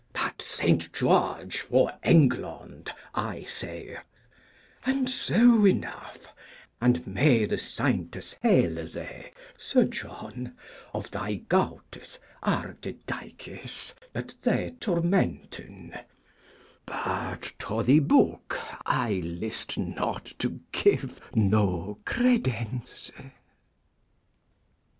But St. George for Englond, I say, and so enough; and may the Seyntes hele thee, Sir John, of thy Gowtes Artetykes, that thee tormenten. But to thy Boke I list not to give no credence.